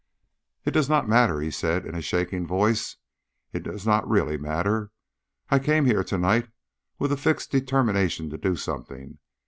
"It does not matter," he said, in a shaking voice. "It does not really matter. I came here to night with the fixed determination to do something.